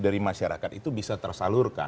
dari masyarakat itu bisa tersalurkan